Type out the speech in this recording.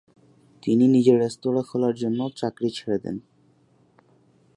তিনি নিজের রেস্তোরাঁ খোলার জন্য চাকরি ছেড়ে দেন।